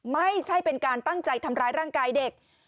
ไม่ใช่เป็นการตั้งใจทำร้ายร่างกายเด็ก